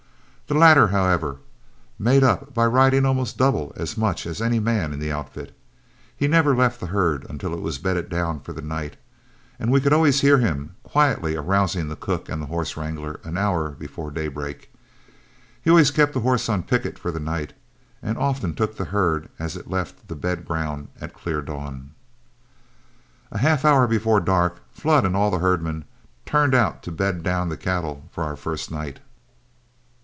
The latter, however, made up by riding almost double as much as any man in his outfit. He never left the herd until it was bedded down for the night, and we could always hear him quietly arousing the cook and horse wrangler an hour before daybreak. He always kept a horse on picket for the night, and often took the herd as it left the bed ground at clear dawn. A half hour before dark, Flood and all the herd men turned out to bed down the cattle for our first night.